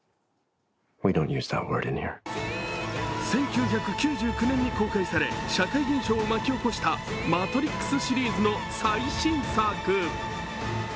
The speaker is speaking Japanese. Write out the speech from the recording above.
１９９９年に公開され、社会現象を巻き起こした「マトリックス」シリーズの最新作。